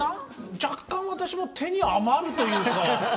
若干私も手に余るというか。